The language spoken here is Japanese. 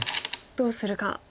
どうするか。